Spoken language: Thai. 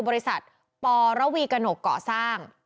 บริษัทปรวีกระหนกก่อสร้าง